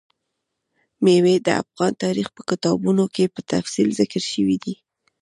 مېوې د افغان تاریخ په کتابونو کې په تفصیل ذکر شوي دي.